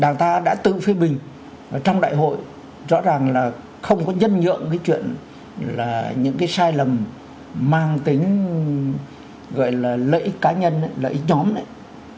nhưng trong đại hội rõ ràng là không có nhân nhượng cái chuyện là những cái sai lầm mang tính gọi là lợi ích cá nhân lợi ích nhóm đấy